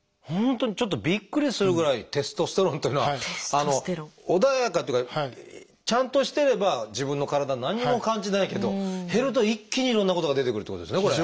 本当にちょっとびっくりするぐらいテストステロンっていうのは穏やかっていうかちゃんとしてれば自分の体何にも感じないけど減ると一気にいろんなことが出てくるってことですね